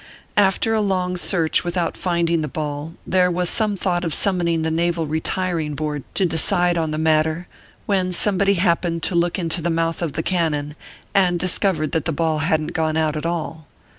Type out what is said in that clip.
After a long search without finding the bail, there was some thought of summoning the Naval Ketiring Board to decide on the matter, when somebody happened to look into the mouth of the cannon, and discovered that the ball hadn t gone out at all.